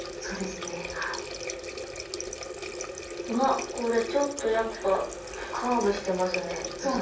うわっこれちょっとやっぱカーブしてますねお魚。